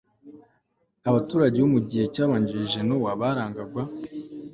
Abaturage bo mu gihe cyabanjirije Nowa barangwaga